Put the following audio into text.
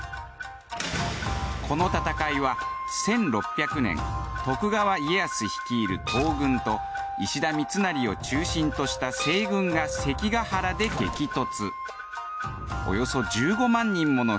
この戦いは１６００年徳川家康率いる東軍と石田三成を中心とした西軍が関ケ原で激突。